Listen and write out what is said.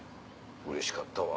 うれしかったわ。